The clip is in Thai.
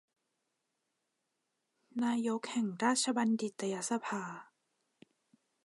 นายกแห่งราชบัณฑิตยสภา